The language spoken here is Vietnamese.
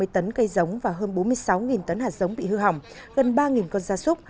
bốn trăm năm mươi tấn cây giống và hơn bốn mươi sáu tấn hạt giống bị hư hỏng gần ba con da súc